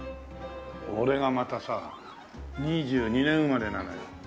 俺がまたさ２２年生まれなのよ。